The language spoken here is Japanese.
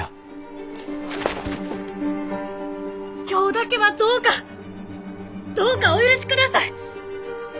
今日だけはどうかどうかお許しください！